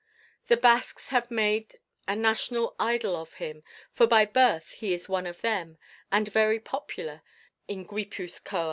The Basques have made a national idol of him, for by birth he is one of them and very popular in Guipuzcoa.